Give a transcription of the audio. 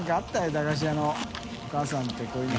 駄菓子屋のお母さんってこういうの。